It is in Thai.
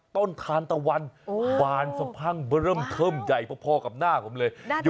ต้นทานตะวันบานสะพังเริ่มเทิมใหญ่พอกับหน้าผมเลย